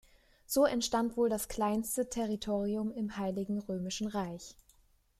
So entstand wohl das kleinste Territorium im Heiligen Römischen Reich.